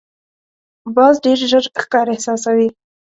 باز ډېر ژر ښکار احساسوي